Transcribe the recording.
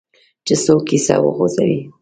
چې څوک کیسه وغځوي.